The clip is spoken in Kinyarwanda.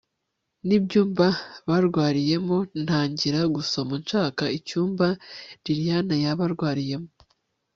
nibyumba barwariyemo ntangira gusoma nshaka icyumba lilian yaba arwariyemo